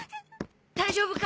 大丈夫か？